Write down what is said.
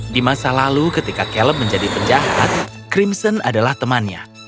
di masa lalu ketika caleb menjadi penjahat crimson adalah temannya